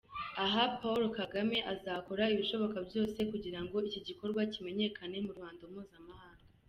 Aha Pawulo Kagame azakora ibishoboka byose kugira ngo iki gikorwa kimenyekane mu ruhando mpuzamahanga.